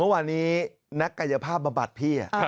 เมื่อวานนี้นักกายภาพบำบัดพี่